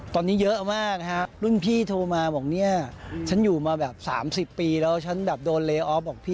ตอนนี้เยอะมากครับ